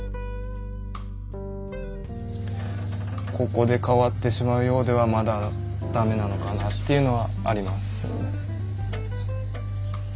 ここで変わってしまうようではまだだめなのかなっていうのはあります。